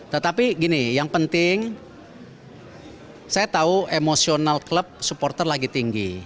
tetapi gini yang penting saya tahu emosional klub supporter lagi tinggi